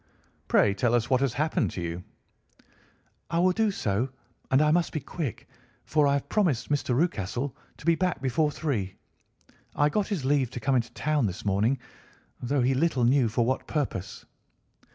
"Pray tell us what has happened to you." "I will do so, and I must be quick, for I have promised Mr. Rucastle to be back before three. I got his leave to come into town this morning, though he little knew for what purpose."